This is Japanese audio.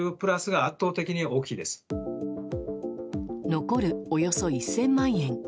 残るおよそ１０００万円。